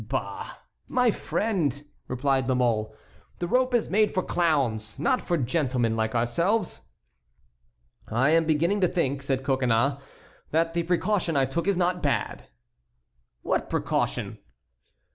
'" "Bah! my friend," replied La Mole, "the rope is made for clowns, not for gentlemen like ourselves." "I am beginning to think," said Coconnas, "that the precaution I took is not bad." "What precaution?"